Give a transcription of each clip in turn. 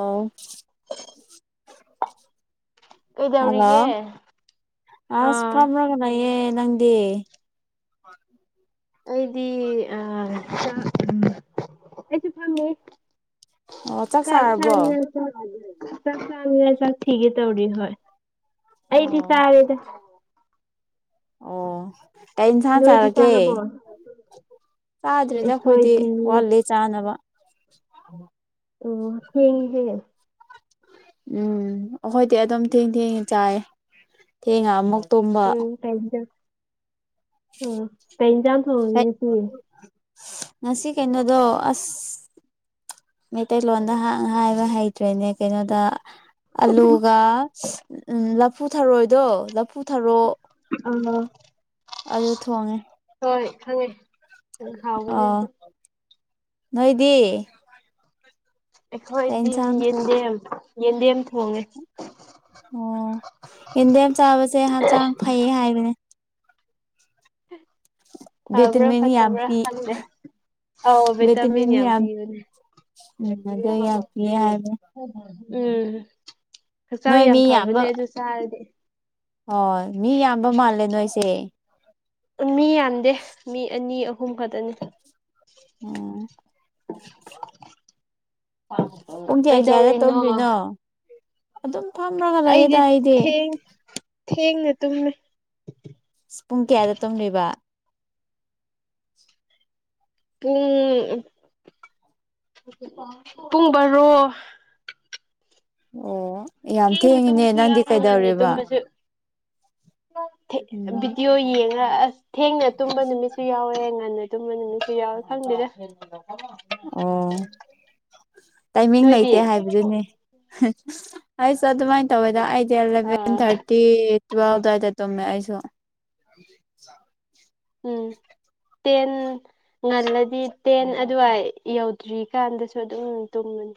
ꯑꯣꯥ ꯍꯜꯂꯣ ꯀꯩꯗꯧꯔꯤꯒꯦ ꯑꯁ ꯑꯥ ꯐꯥꯝꯔꯒꯂꯩꯌ‌ꯦ ꯅꯪꯗꯤ ꯍ ꯑꯩꯗꯤ ꯑ ꯑꯩꯁꯨ ꯐꯝꯃꯦ ꯑꯣ ꯆꯥꯛ ꯆꯥꯔꯕꯣ ꯆꯥꯏꯅꯦ ꯆꯞ ꯆꯥꯅꯤꯅ ꯆꯥꯛ ꯊꯤꯒꯦ ꯇꯧꯔꯤ ꯍꯣꯏ ꯑꯩꯗꯤ ꯑꯣ ꯆꯥꯔꯦꯗ ꯑꯣ ꯀꯩꯏꯟꯁꯥꯡ ꯅꯣꯏꯗꯤ ꯆꯥꯔꯒꯦ ꯆꯥꯔꯕꯣ ꯆꯥꯗ꯭ꯔꯦꯗ ꯑꯩꯈꯣꯏꯗꯤ ꯋꯥꯠꯂꯤ ꯆꯥꯅꯕ ꯑꯣ ꯊ‌ꯦꯡꯉ ꯍꯦ ꯎꯝ ꯑꯩꯈꯣꯏꯗꯤ ꯑꯗꯨꯝ ꯊꯦꯡ ꯊꯦꯡꯉ ꯆꯥꯏ ꯊꯦꯡꯉ ꯑꯃꯨꯛ ꯇꯨꯝꯕ ꯍꯩ [inaudible] ꯉꯁꯤ ꯀꯩꯅꯣꯗꯣ ꯑꯁ ꯃꯩꯇꯩꯂꯣꯟꯗ ꯍꯥꯡ ꯍꯥꯏꯕ ꯍꯩ ꯑꯗꯨꯠꯇ꯭ꯔꯅꯦ ꯀꯩꯅꯣꯗ ꯑꯂꯨꯒ ꯎꯝ ꯂꯐꯨ ꯊꯥꯔꯣꯑꯣꯗꯣ ꯂꯐꯨ ꯊꯥꯔꯣꯑꯣ ꯑ ꯑꯗꯨ ꯊꯣꯡꯉꯦ ꯍꯣꯏ ꯈꯪꯉꯦ ꯑ ꯍꯥꯎꯕꯅꯦ ꯑꯗꯨ ꯅꯣꯏꯗꯤ ꯀꯩ ꯑꯩꯈꯣꯏꯗꯤ ꯏꯟꯁꯥꯡ ꯌꯦꯟꯗꯦꯝ ꯌꯦꯟꯗꯦꯝ ꯊꯣꯡꯉꯦ ꯑꯣ ꯌꯦꯟꯗꯦꯝ ꯆꯥꯕꯁꯦ ꯍꯛꯆꯥꯡ ꯐꯩꯌꯦ ꯍꯥꯏꯕꯅꯦ ꯍ [unintelligible] ꯐꯕ꯭ꯔꯥ ꯚꯤꯇꯃꯤꯟ ꯌꯥꯝ ꯐꯠꯇꯕ꯭ꯔꯥ ꯄꯤ ꯈꯪꯗ‌ꯦ ꯑꯧ ꯚꯤꯇꯥꯃꯤꯟ ꯌꯥꯝ ꯄꯤꯕꯅꯦ ꯎꯝꯗ ꯌꯥꯄꯤ ꯌꯥ ꯎꯝ ꯍꯛꯆꯥꯡ ꯅꯣꯏ ꯃꯤ ꯌꯥꯝ ꯌꯥꯝꯕ ꯐꯕꯅꯦ ꯑꯗꯨ ꯆꯥꯔꯗꯤ ꯃꯤ ꯌꯥꯝꯕ ꯃꯥꯜꯂꯦ ꯅꯣꯏꯁꯦ ꯃꯤ ꯌꯥꯝꯗꯦ ꯃꯤ ꯑꯅꯤ ꯑꯍꯨꯝ ꯈꯛꯇꯅꯤ ꯎꯝ [inaudible] ꯄꯨꯡ ꯀꯌꯥ ꯀꯌꯥꯗ ꯀꯩꯗꯧꯔꯤꯅꯣ ꯇꯨꯝꯗ꯭ꯔꯤꯅꯣ ꯑꯗꯨꯝ ꯊꯝ ꯑꯩꯗꯤ ꯊꯦꯡ ꯊꯦꯡꯅ ꯇꯨꯝꯃꯦ ꯄꯨꯡ ꯀꯌꯥꯗ ꯇꯨꯝꯂꯤꯕ ꯄꯨꯡ ꯄꯨꯡ ꯕꯥꯔꯣ ꯑꯣ ꯌꯥꯝ ꯊꯦꯡꯅ ꯊꯦꯡꯉꯤꯅꯦ ꯇꯨꯝꯕꯁꯨ ꯅꯪꯗꯤ ꯌꯥꯎꯋꯦ ꯉꯟꯅ ꯀꯩꯗꯧꯔꯦꯕ ꯇꯨꯝꯕꯁꯨ ꯎꯝ ꯚꯤꯗꯤꯑꯣ ꯌꯦꯡꯉ ꯑꯁ ꯊꯦꯡꯅ ꯇꯨꯝꯕ ꯅꯨꯃꯤꯠꯁꯨ ꯌꯥꯎꯔꯦ ꯉꯟꯅ ꯇꯝꯕ ꯅꯨꯃꯤꯠꯁꯨ ꯌꯥꯎꯔ ꯈꯪꯗꯦꯗꯥ ꯑꯣ ꯇꯥꯏꯃꯤꯡ ꯅꯣꯏꯗꯤ ꯂꯩꯇꯦ ꯍꯥꯏꯕꯗꯨꯅꯤ ꯑꯩꯁ ꯑꯗꯨꯃꯥꯏꯅ ꯇꯧꯋꯦꯗ ꯑꯩꯗꯤ ꯑꯦꯂꯚꯦꯟ ꯑꯥ ꯊꯥꯔꯇꯤ ꯇꯨꯋꯦꯜꯚ ꯗꯥꯏꯗ ꯇꯨꯝꯃꯦ ꯑꯩꯁꯨ ꯎꯝ [inaudible] ꯇꯦꯟ ꯉꯜꯂꯗꯤ ꯇꯦꯟ ꯑꯗꯨꯋꯥꯏ ꯌꯧꯗ꯭ꯔꯤꯀꯥꯟꯗꯁꯨ ꯑꯗꯨꯝ ꯇꯨꯝꯕꯅꯤ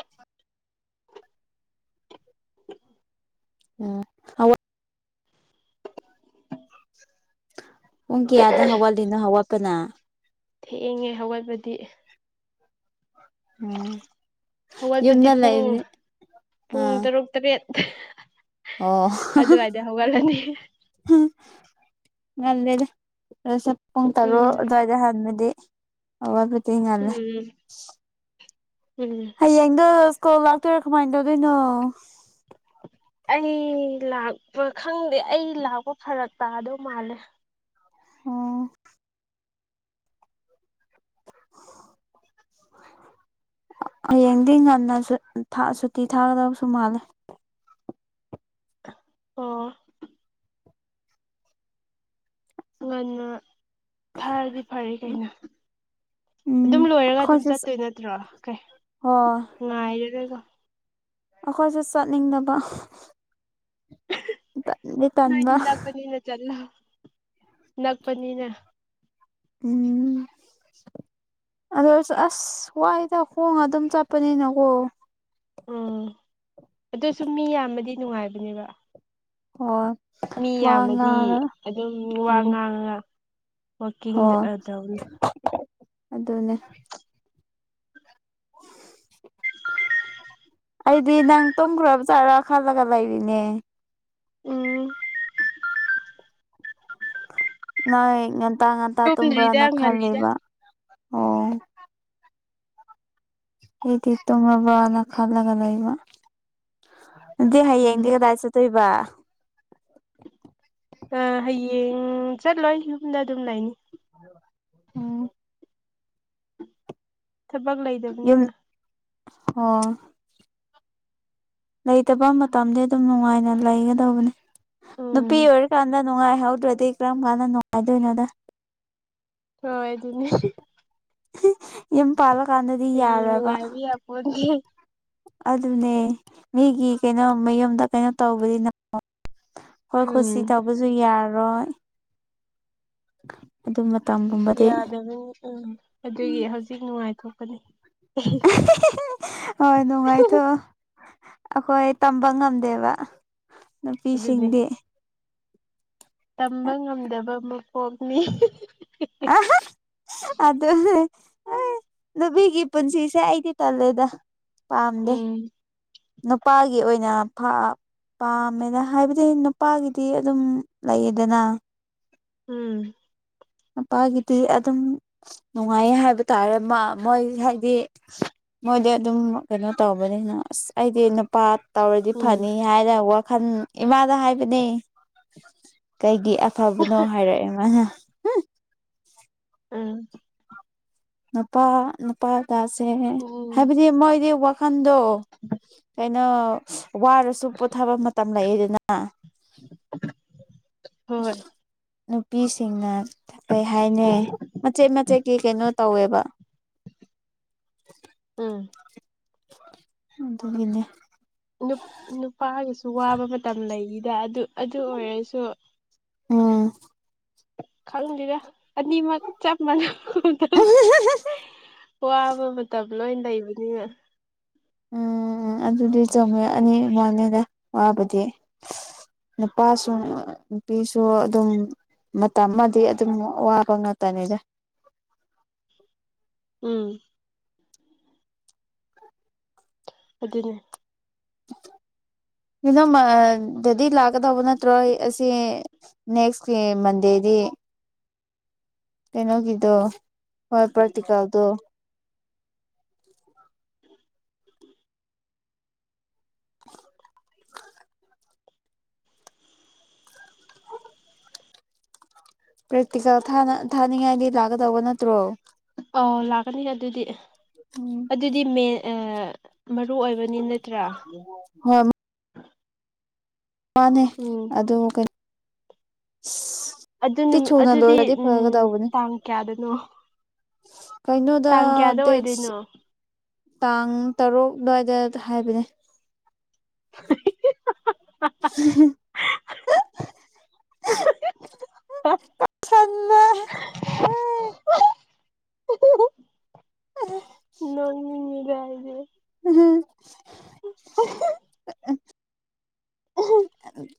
ꯑꫭ ꯄꯨꯡ ꯀꯌꯥꯗ ꯍꯧꯒꯠꯂꯤꯅꫭ ꯍꯧꯒꯠꯄꯅ ꯊꯦꯡ ꯎꯝ ꯍꯧꯋꯠꯄꯗꯤ ꯌꯨꯝꯗ ꯄꯨꯡ ꯂꯩꯕꯅꯤ ꯄꯨꯡ ꯑꯥ ꯇꯔꯨꯛ ꯇꯔꯦꯠ ꯑꯣ ꯑꯗꯨꯋꯥꯏꯗ ꯍꯧꯒꯠꯂꯅꯤ ꯉꯜꯂ‌ꯦꯗ ꯄꯨꯡ ꯇꯔꯨꯛ ꯎꯝ ꯑꯗꯨꯋꯥꯏꯗ ꯍꯥꯟꯕꯗꯤ ꯑꯋꯥꯠꯄꯗꯤ ꯉꯜꯂꯦ ꯎꯝ ꯎꯝ ꯍꯌꯦꯡꯗꯣ ꯁ꯭ꯀꯨꯜ ꯂꯥꯛꯇꯣꯏꯔꯥ ꯀꯃꯥꯏꯅ ꯇꯧꯗꯣꯏꯅꯣ ꯑꯩ ꯂꯥꯛꯄ ꯈꯪꯗꯦ ꯑꯩ ꯂꯥꯛꯄ ꯐꯔꯛ ꯇꯥꯗꯧ ꯃꯥꯜꯂꯦ ꯎꯝ ꯍꯌꯦꯡꯗꯤ ꯉꯟꯅ ꯁꯨꯠ ꯊꯥ ꯁꯨꯇꯤ ꯊꯥꯒꯗꯕꯁꯨ ꯃꯥꯜꯂꯦ ꯑꯣ ꯉꯟꯅ ꯊꯥꯔꯗꯤ ꯐꯔꯦ ꯀꯩꯅꯣ ꯎꯝ ꯑꯗꯨꯝ ꯂꯣꯏꯔꯒ ꯑꯗꯨꯝ ꯑꯩꯈꯣꯏꯁꯨ ꯆꯠꯇꯣꯏ ꯅꯠꯇ꯭ꯔꯣ ꯀꯩ ꯍꯣꯏ ꯉꯥꯏꯔꯒꯀꯣ ꯑꯈꯣꯏꯁꯨ ꯆꯠꯅꯤꯡꯗꯕ ꯇꯟꯗꯤ ꯇꯟꯕ ꯅꯣꯏꯗꯤ ꯅꯛꯄꯅꯤꯅ ꯆꯠꯂꯣ ꯅꯛꯄꯅꯤꯅ ꯎꯝ ꯑꯗꯨ ꯑꯣꯏ ꯑꯁ ꯋꯥꯏꯗ ꯈꯣꯡꯉ ꯑꯗꯨꯝ ꯆꯠꯄꯅꯤꯅꯀꯣ ꯎꯝ ꯑꯗꯨꯁꯨ ꯃꯤ ꯌꯥꯝꯃꯗꯤ ꯅꯨꯡꯉꯥꯏꯕꯅꯦꯕ ꯑꯣ ꯃꯤ ꯌꯥꯝꯃꯗꯤ ꯑꯗꯨꯝ ꯎꯝ ꯋꯥꯉꯥꯡꯉꯒ ꯋꯥꯛꯀꯤꯡ ꯍꯣꯏ ꯇꯧꯅꯤ ꯑꯗꯨꯅꯦ [inaudible] ꯑꯩꯗꯤ ꯅꯪ ꯇꯨꯝꯈ꯭ꯔꯕ ꯆꯠꯔ ꯈꯜꯂꯒ ꯂꯩꯔꯤꯅꯦ ꯎꯝ ꯅꯣꯏ ꯉꯟꯇꯥ ꯉꯟꯇꯥ ꯇꯨꯝꯗ꯭ꯔꯤꯗ ꯇꯨꯝꯕ꯭ꯔꯅ ꯉꯜꯂꯤꯗ ꯈꯜꯂꯤꯕ ꯑꯣ ꯑꯩꯗꯤ ꯇꯣꯡꯉꯕꯅ ꯈꯜꯂꯒ ꯂꯩꯕ ꯑꯗꯨꯗꯤ ꯎꯝ ꯍꯌꯦꯡꯗꯤ ꯀꯗꯥꯏ ꯆꯠ ꯇꯣꯏꯕ ꯑ ꯍꯌꯦꯡ ꯆꯠꯂꯣꯏ ꯌꯨꯝꯗ ꯑꯗꯨꯝ ꯂꯩꯅꯤ ꯎꯝ ꯊꯕꯛ ꯂꯩ ꯌꯨꯝ ꯑꫭ ꯂꯩꯇꯕ ꯃꯇꯝꯗꯤ ꯑꯗꯨꯝ ꯅꯨꯡꯉꯥꯏꯅ ꯂꯩꯒꯗꯧꯕꯅꯤ ꯅꯨꯄꯤ ꯎꯝ ꯑꯣꯏꯔꯤꯀꯥꯟꯗ ꯅꯨꯡꯉꯥꯏꯍꯧꯗ꯭ꯔꯗꯤ ꯀꯔꯝ ꯀꯥꯟꯗ ꯅꯨꯡꯉꯥꯏꯗꯣꯏꯅꯣꯗ ꯍꯣꯏ ꯑꯗꯨꯅꯤ ꯌꯨꯝ ꯄꯥꯜꯂꯀꯥꯟꯗꯗꯤ ꯌꯥꯔꯣꯏꯕ ꯍꯣꯏ [unintelligible] ꯑꯗꯨꯅꯦ ꯃꯤꯒꯤ ꯀꯩꯅꯣ ꯃꯌꯨꯝꯗ ꯀꯩꯅꯣ ꯇꯧꯕꯅꯤꯅ ꯍꯣꯏ ꯎꯝ ꯀꯨꯁꯤ ꯇꯧꯕꯁꯨ ꯌꯥꯔꯣꯏ ꯑꯗꯨ ꯃꯇꯝꯒꯨꯝ ꯌꯥꯗꯕꯅꯤ ꯎꯝ ꯑꯗꯨꯒꯤ ꯍꯧꯖꯤꯛ ꯅꯨꯡꯉꯥꯏꯊꯣꯛꯄꯅꯤ ꯍꯣꯏ ꯅꯨꯡꯉꯥꯏꯊꯣꯛꯑꯣ ꯑꯩꯈꯣꯏ ꯇꯝꯕ ꯉꯝꯗꯦꯕ ꯑꯗꯨꯅꯤ ꯅꯨꯄꯤꯁꯤꯡꯗꯤ ꯇꯝꯕ ꯉꯝꯗꯕ ꯃꯄꯣꯛꯅꯤ ꯑꯍꯥ ꯑꯗꯨ ꯍꯣꯏ ꯅꯨꯄꯤꯒꯤ ꯄꯨꯟꯁꯤꯁꯦ ꯑꯩꯗꯤ ꯇꯜꯂꯦꯗ ꯄꯥꯝꯗꯦ ꯎꯝ ꯅꯨꯄꯥꯒꯤ ꯑꯣꯏꯅꯥ ꯄꯥꯝꯃꯦꯗ ꯍꯥꯏꯕꯗꯤ ꯅꯨꯄꯥꯒꯤꯗꯤ ꯑꯗꯨꯝ ꯂꯩꯌꯦꯗꯅ ꯎꯝ ꯅꯨꯄꯥꯒꯤꯗꯤ ꯑꯗꯨꯝ ꯅꯨꯡꯉꯥꯏꯌꯦ ꯍꯥꯏꯕ ꯇꯥꯔꯦ ꯃꯥ ꯃꯣꯏ ꯍꯥꯏꯗꯤ ꯃꯣꯏꯗꯤ ꯑꯗꯨꯝ ꯀꯩꯅꯣ ꯇꯧꯕꯅꯤꯅ ꯑꯁ ꯑꯩꯗꯤ ꯅꯨꯄꯥ ꯇꯧꯔꯗꯤ ꯎꯝ ꯐꯅꯤ ꯍꯥꯏꯅ ꯋꯥꯈꯟ ꯏꯃꯥꯗ ꯍꯥꯏꯕꯅꯦ ꯀꯩꯒꯤ ꯑ ꯐꯕꯅꯣ ꯍꯥꯏꯔꯛꯑꯦ ꯃꯥꯅ ꯎꯝ ꯅꯨꯄꯥ ꯅꯨꯄꯥꯗꯥꯁꯦ ꯎꯝ ꯍꯥꯏꯕꯗꯤ ꯃꯣꯏꯗꯤ ꯋꯥꯈꯟꯗꯣ ꯀꯩꯅꯣ ꯋꯥꯔꯁꯨ ꯄꯣꯊꯥꯕ ꯃꯇꯝ ꯂꯩꯗꯅ ꯍꯣꯏ ꯅꯨꯄꯤꯁꯤꯡꯅ ꯀꯩ ꯍꯥꯏꯅꯤ ꯃꯆꯦꯠ ꯃꯆꯦꯠꯀꯤ ꯀꯩꯅꯣ ꯇꯧꯋꯦꯕ [inaudible] ꯎꯝ [inaudible] ꯑꯗꯨꯒꯤꯅꯦ ꯅꯨꯄꯥꯒꯤꯁꯨ ꯋꯥꯕ ꯃꯇꯝ ꯂꯩꯗ ꯑꯗꯨ ꯑꯗꯨ ꯑꯣꯏꯔꯁꯨ [inaudible] ꯎꯝ ꯈꯪꯗꯦꯗ ꯑꯅꯤꯃꯛ ꯆꯞ ꯃꯥꯟꯅꯕꯒꯨꯝ ꯇꯧꯏꯗ [inaudible] ꯋꯥꯕ ꯃꯇꯝ ꯂꯣꯏ ꯂꯩꯕꯅꯤꯅ ꯎꯝ ꯎꯝ ꯑꯗꯨꯗꯤ ꯆꯨꯝꯃꯦ ꯑꯅꯤ ꯃꯥꯟꯅꯩꯗ ꯋꯥꯕꯗꯤ ꯅꯨꯄꯥꯁꯨ ꯅꯨꯄꯤꯁꯨ ꯑꯗꯨꯝ ꯃꯇꯝ ꯑꯃꯗꯤ ꯑꯗꯨꯝ ꯋꯥꯕ ꯉꯥꯛꯇꯅꯤꯗ ꯎꯝ ꯑꯗꯨꯅꯦ ꯑꯗꯨꯗꯗꯤ ꯂꯥꯛꯀꯗꯧꯕ ꯅꯠꯇ꯭ꯔꯣ ꯑꯩ ꯑꯁꯤ ꯅꯦꯛꯁꯀꯤ ꯃꯟꯗꯦꯗꯤ ꯀꯩꯅꯣꯒꯤꯗꯣ ꯍꯣꯏ ꯄ꯭ꯔꯦꯛꯇꯤꯀꯦꯜꯗꯣ [inaudible] [unintelligible] ꯄ꯭ꯔꯦꯛꯇꯤꯀꯦꯜ ꯊꯥꯅ ꯊꯥꯅꯤꯡꯉꯥꯏꯗꯤ ꯂꯥꯛꯀꯗꯧꯕ ꯅꯠꯇ꯭ꯔꯣ ꯑꯧ ꯂꯥꯛꯀꯅꯤꯗ ꯑꯗꯨꯗꯤ ꯎꯝ [inaudible] ꯑꯗꯨꯗꯤ ꯃꯦꯟ ꯃꯔꯨ ꯑꯣꯏꯕꯅꯤ ꯅꯠꯇ꯭ꯔꯥ ꯍꯣꯏ [unintelligible] ꯃꯥꯅꯦ ꯎꯝ ꯑꯗꯣ ꯀꯩ ꯑꯗꯨ ꯅꯨꯃꯤꯠ ꯑꯗꯨꯗꯤ ꯎꯝ ꯇꯥꯡ ꯀꯌꯥꯗꯅꯣ [inaudible] ꯀꯩꯅꯣꯗꯣ ꯇꯥꯡ ꯀꯌꯥꯗ ꯑꯣꯏꯗꯣꯏꯅꯣ ꯗꯦꯠꯁ ꯇꯥꯡ ꯇꯔꯨꯛ ꯑꯗꯨꯋꯥꯏꯗ ꯍꯥꯏꯕꯅꯦ [inaudible] [unintelligible] ꯁꯟꯅ [unintelligible] ꯅꯣꯛꯅꯤꯡꯉꯦꯗ ꯑꯩꯗꯤ ꯎꯝ [inaudible] [inaudible]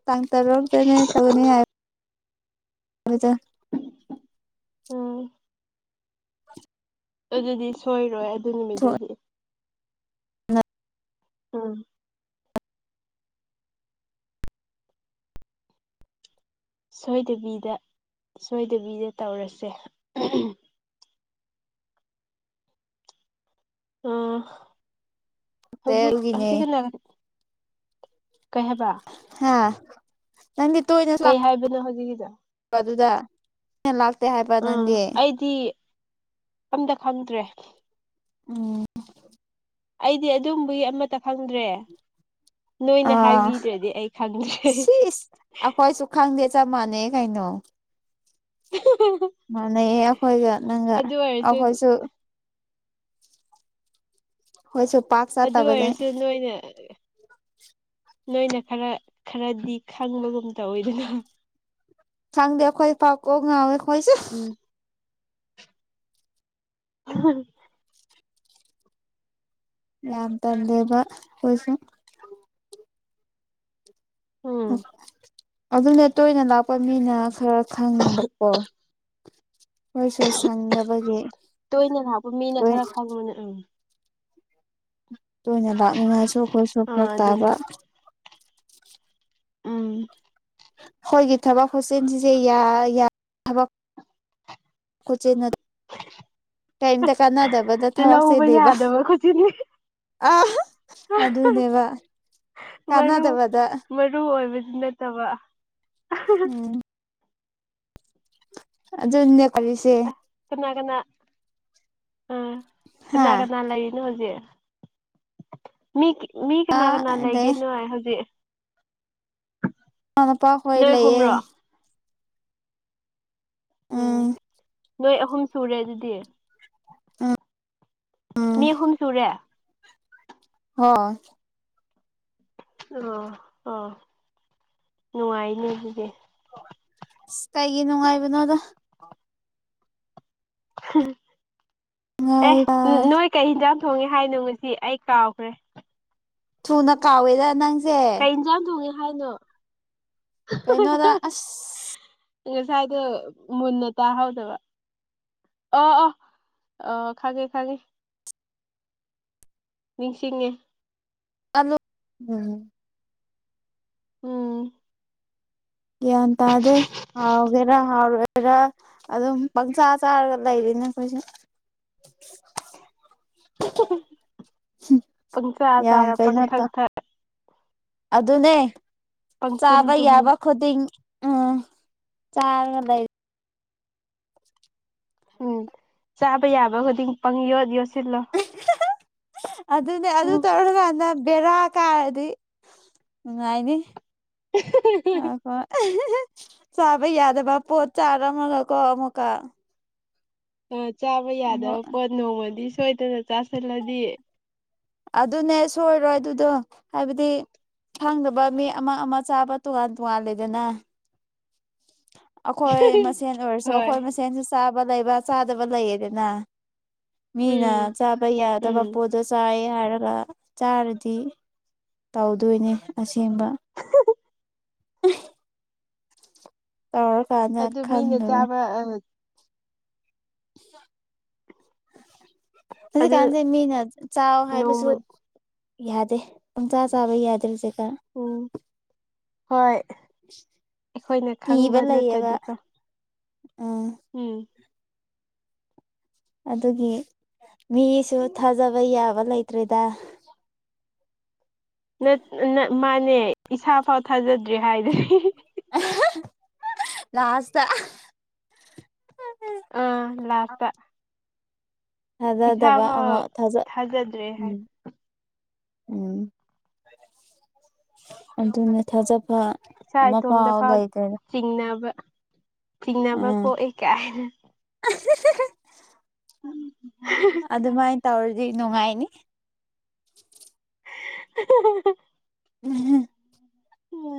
ꯇꯥꯡ ꯇꯔꯨꯛꯇꯅꯦ ꯇꯧꯅꯤ ꯍꯥꯏ [unintelligible] ꯎꯝ ꯑꯗꯨꯗꯤ ꯁꯣꯏꯔꯣꯏ ꯑꯗꯨ ꯅꯨꯃꯤꯠꯇꯗꯤ ꯎꯝ ꯁꯣꯏꯗꯕꯤꯗ ꯁꯣꯏꯗꯕꯤꯗ ꯇꯧꯔꯁꯦ ꯑ ꯅꯠꯇꯦ ꯍꯧꯖꯤꯛ ꯑꯗꯨꯒꯤꯅꯦ ꯍꯧꯖꯤꯛ ꯀꯅꯥ ꯀꯩ ꯍꯥꯏꯕꯥ ꯍꯥ ꯅꯪꯗꯤ ꯀꯩ ꯍꯥꯏꯕꯅꯣ ꯍꯧꯖꯤꯛꯀꯤꯗꯣ ꯑꯗꯨꯗ ꯂꯥꯛꯇꯦ ꯍꯥꯏꯕ ꯅꯪꯗꯤ ꯁꯤ ꯑꯝꯇ ꯈꯪꯗ꯭ꯔꯦ [inaudible] ꯎꯝ [inaudible] ꯑꯩꯗꯤ ꯑꯗꯨꯝꯕꯒꯤ ꯑꯃꯠꯇ ꯈꯪꯗ꯭ꯔꯦ ꯅꯣꯏꯅ ꯑꯥ ꯍꯥꯏꯕꯤꯗ꯭ꯔꯗꯤ ꯑꯩ ꯈꯪꯗ꯭ꯔꯦ ꯁꯤꯁ ꯑꯩꯈꯣꯏꯁꯨ ꯈꯪꯗꯦ ꯆꯞ ꯃꯥꯟꯅꯩ ꯀꯩꯅꯣ [unintelligible] ꯃꯥꯟꯅꯩꯌꯦ ꯑꯩꯈꯣꯏꯒ ꯅꯪꯒ ꯑꯗꯨ ꯑꯣꯏꯔꯁꯨ ꯑꯩꯈꯣꯏꯁꯨ ꯍꯣꯏꯁꯨ ꯄꯥꯛ ꯆꯠꯇꯕꯅꯦ ꯅꯣꯏꯅꯦ ꯅꯣꯏꯅ ꯈꯔ ꯈꯔꯗꯤ ꯈꯪꯕꯒꯨꯝ ꯑꯣꯏꯗꯅ ꯁꯪꯗꯦ ꯑꯈꯣꯏ ꯐꯥꯎ ꯀꯣꯛ ꯉꯥꯎꯋꯦ ꯈꯣꯏꯁꯨ ꯎꯝ [unintelligible] ꯌꯥꯝ ꯇꯟꯗꯦꯕ ꯃꯣꯏꯁꯨ ꯎꯝ ꯑꯗꯨꯅꯦ ꯇꯣꯏꯅ ꯂꯥꯛꯄ ꯃꯤꯅ ꯈꯔ ꯈꯪꯉꯦꯕꯀꯣ ꯃꯣꯏꯁꯨ ꯁꯪꯅꯕꯒꯤ ꯂꯣꯏ ꯑꯥꯎ ꯇꯣꯏꯅ ꯂꯥꯛꯅꯤꯡꯉꯥꯏꯁꯨ ꯑꯩꯈꯣꯏꯁꯨ ꯑꯥ ꯐꯔꯛ ꯑꯗꯨꯅꯤ ꯇꯥꯕ ꯎꯝ ꯑꯩꯈꯣꯏꯒꯤ ꯊꯕꯛ ꯈꯨꯆꯤꯟꯖꯤꯁꯨ ꯌꯥ ꯌꯥ ꯊꯕꯛ ꯀꯣꯏꯆꯦꯟ ꯆꯦꯟꯅꯩ ꯀꯔꯤꯝꯇ ꯀꯥꯟꯅꯥꯗꯕꯗ ꯊꯕꯛ ꯂꯧꯕ ꯆꯦꯜꯂꯤꯕ ꯌꯥꯗꯕ ꯈꯨꯖꯤꯟꯅꯤ ꯑꯥꯍꯥ ꯑꯗꯨꯅꯦꯕ ꯃꯔꯨ ꯀꯥꯟꯅꯗꯕꯗ ꯃꯔꯨ ꯑꯣꯏꯕꯁꯤꯅ [inaudible] ꯇꯕ ꯎꯝ ꯑꯗꯨꯗ ꯅꯦ ꯀꯔꯤꯁꯦ ꯑꯁ ꯀꯅꯥ ꯀꯅꯥ ꯎꯝ ꯍꯥ ꯀꯅꯥ ꯀꯅꯥ ꯂꯩꯔꯤꯅꯣ ꯍꯧꯖꯤꯛ ꯃꯤ ꯃꯤ ꯀꯅꯥ ꯀꯅꯥ ꯂꯩ ꯂꯩꯒꯩ ꯍꯧꯖꯤꯛ ꯅꫭꯏ ꯃꯃꯥ ꯃꯄꯥꯍꯣꯏ ꯂꯩꯌꯦ ꯑꯍꯨꯝꯔꯣ ꯎꯝ ꯅꯣꯏ ꯑꯍꯨꯝ ꯁꯨꯔꯦ ꯑꯗꯨꯗꯤ ꯃꯤ ꯎꯝ ꯑꯍꯨꯝ ꯁꯨꯔꯦ ꯍ ꯑ ꯑꯣ ꯑꯥ ꯅꯨꯡꯉꯥꯏꯅꯦ ꯑꯗꯨꯗꯤ ꯀꯩꯒꯤ ꯅꯨꯡꯉꯥꯏꯕꯅꯣꯗ ꯑꯦ ꯉꯥꯏꯕ ꯅꯣꯏ ꯀꯩ ꯌꯦꯟꯁꯥꯡ ꯊꯣꯡꯉꯦ ꯍꯥꯏꯅꯣ ꯉꯁꯤ ꯑꯩ ꯀꯥꯎꯈ꯭ꯔꯦ ꯊꯨꯅ ꯀꯥꯎꯋꯦꯗ ꯅꯪꯁꯦ ꯌꯦꯟꯁꯥꯡ ꯊꯣꯡꯉꯤ ꯍꯥꯏꯅꯣ ꯀꯩꯅꯣꯗ ꯑꯁ ꯉꯁꯥꯏꯗꯣ ꯃꯨꯟꯅ ꯇꯥꯍꯧꯗꯕ ꯑꯣ ꯑꯣ ꯑ ꯈꯪꯉꯦ ꯈꯪꯉꯦ ꯅꯤꯡꯁꯤꯡꯉꯦ ꯑꯂꯣ ꯎꯝ ꯎꯝ ꯒ꯭ꯌꯥꯟ ꯇꯥꯗꯦ ꯍꯥꯎꯒꯦꯔꯥ ꯍꯥꯎꯔꯣꯏꯔꯥ ꯑꯗꯨꯝ ꯄꯪꯆꯥ ꯆꯥꯔꯒ ꯂꯩꯔꯤꯅꯦ ꯈꯣꯏꯁꯦ [unintelligible] ꯄꯪꯆꯥꯥ ꯌꯥꯝ ꯆꯥꯔ ꯀꯩꯅꯣ ꯄꯪꯊꯛ ꯇꯧ ꯊꯛ ꯑꯗꯨꯅꯦ ꯄꯪꯇꯨꯝ ꯆꯥꯕ ꯇꯨꯝꯃꯨ ꯌꯥꯕ ꯈꯨꯗꯤꯡ ꯑ ꯆꯥꯔꯒ ꯂꯩ ꯎꯝ ꯆꯥꯕ ꯌꯥꯕ ꯈꯨꯗꯤꯡ ꯄꯪ ꯌꯣ ꯌ ꯑꯗꯨꯅꯦ ꯑꯗꯨ ꯇꯧꯔꯀꯥꯟꯗ ꯚꯦꯔꯥꯛ ꯀꯥꯔꯗꯤ ꯅꯨꯡꯉꯥꯏꯅꯤ ꯑ ꯍꯣꯏ ꯆꯥꯕ ꯌꯥꯗꯕ ꯄꯣꯠ ꯆꯥꯔꯝꯃꯒꯀꯣ ꯑꯃꯨꯛꯀ ꯑ ꯆꯥꯕ ꯑꯃꯨꯛ ꯌꯥꯗꯕ ꯄꯣꯠ ꯅꯣꯡꯃꯗꯤ ꯁꯣꯏꯗꯅ ꯆꯥꯁꯤꯜꯂꯗꯤ ꯑꯗꯨꯅꯦ ꯁꯣꯏꯔꯣꯏ ꯑꯗꯨꯗꯣ ꯍꯥꯏꯕꯗꯤ ꯈꯪꯗꯕ ꯃꯤ ꯑꯃ ꯑꯃ ꯆꯥꯕ ꯇꯣꯉꯥꯟ ꯇꯣꯉꯥꯟꯂꯗꯅ ꯑꯈꯣꯏ ꯃꯁꯦꯟ ꯑꯣꯏꯔꯁꯨ ꯍꯣꯏ ꯑꯈꯣꯏ ꯃꯁꯦꯟꯁꯨ ꯆꯥꯕ ꯂꯩꯕ ꯆꯥꯗꯕ ꯂꯩꯌꯦꯗꯅ ꯃꯤꯅ ꯎꯝ ꯆꯥꯕ ꯌꯥꯗꯕ ꯎꯝ ꯄꯣꯠ ꯑꯗ ꯆꯥꯏ ꯍꯥꯏꯔꯒ ꯆꯥꯔꯗꯤ ꯇꯧꯗꯣꯏꯅꯤ ꯑꯁꯦꯡꯕ [unintelligible] ꯇꯧꯔ ꯀꯥꯟꯗ ꯈꯪꯗꯣꯏꯅꯦ꯫ ꯑ ꯑ [unintelligible] ꯑꯗꯨ ꯍꯧꯖꯤꯛꯀꯥꯟꯁꯦ ꯃꯤꯅ ꯆꯥꯎ ꯍꯥꯏꯕꯁꯨ ꯅꯣꯡꯃ ꯌꯥꯗꯦ ꯄꯪꯆꯥꯥ ꯆꯥꯕ ꯌꯥꯗꯦꯔꯤ ꯍꯧꯖꯤꯦꯀ ꯎꯝ ꯍꯣꯏ ꯑꯩꯈꯣꯏꯅ ꯀꯤꯕ ꯈꯪꯕ ꯂꯩꯑꯕ ꯅꯠꯇ꯭ꯔꯗꯤꯀꯣ ꯎꯝ ꯎꯝ ꯑꯗꯨꯒꯤ ꯃꯤꯁꯨ ꯊꯥꯖꯕ ꯌꯥꯕ ꯂꯩꯇ꯭ꯔꯦꯗ ꯃꯥꯅꯦ ꯏꯁꯥ ꯐꯥꯎ ꯊꯥꯖꯗ꯭ꯔꯦ ꯍꯥꯏꯗꯗꯤ ꯂꯥꯁꯇ ꯑꯥ ꯂꯥꯁꯇ ꯏꯁꯥ ꯊꯥꯖꯗꯕ ꯐꯥꯎ ꯑꯃ ꯊꯥꯖ ꯊꯥꯖꯗ꯭ꯔꯦ ꯍꯥꯏ ꯎꯝ ꯎꯝ ꯑꯗꯨꯅ ꯊꯥꯖꯕ ꯏꯁꯥ ꯑꯃꯄꯥ ꯏꯇꯣꯝꯗ ꯐꯥꯎ ꯍꯧꯒꯥꯏꯇꯗ ꯆꯤꯡꯅꯕ ꯆꯤꯡꯅꯕ ꯎꯝ ꯄꯣꯛꯑꯦ ꯀꯥꯏꯅ ꯎꯝ ꯑꯗꯨꯃꯥꯏꯅ ꯇꯧꯔꯗꯤ ꯅꯨꯡꯉꯥꯏꯅꯤ [unintelligible] ꯎꯝꯍꯝ ꯎꯝ [unintelligible]